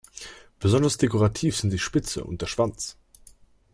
Besonders dekorativ sind die Spitze und der Schwanz.